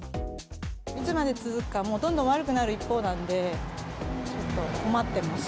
いつまで続くか、もう、どんどん悪くなる一方なんで、ちょっと困ってます。